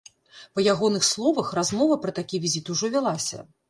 Па ягоных словах, размова пра такі візіт ужо вялася.